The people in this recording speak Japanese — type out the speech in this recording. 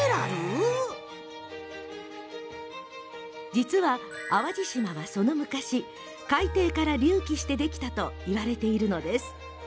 実は淡路島は、その昔海底から隆起してできたといわれています。